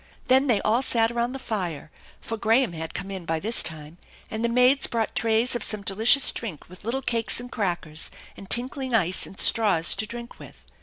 Then they all sat around the fire, for Graham had come in by this time, and the maids brought trays of some delicious drink with little cakes and crackers, and tinkling ice, and straws to drink with.